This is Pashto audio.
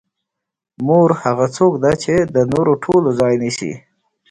مور هغه څوک ده چې د نورو ټولو ځای نیسي.